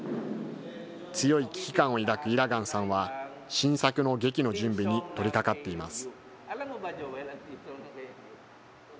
強い危機感を抱くイラガンさんは、新作の劇の準備に取りかかっています。